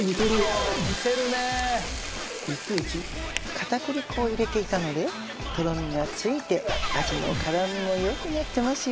片栗粉を入れていたのでとろみがついて味の絡みも良くなってますよ。